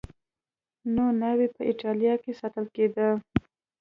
نوې ناوې په اېټالیا کې ساتل کېده.